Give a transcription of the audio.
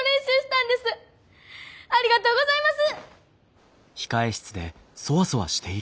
ありがとうございます。